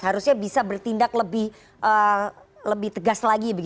harusnya bisa bertindak lebih tegas lagi